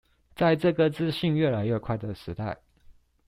在這資訊越來越快的時代